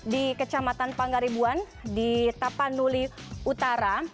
di kecamatan panggaribuan di tapanuli utara